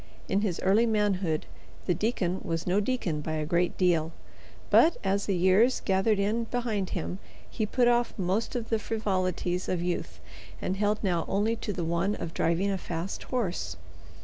In his early manhood the deacon was no deacon by a great deal. But as the years gathered in behind him he put off most of the frivolities of youth and held now only to the one of driving a fast horse.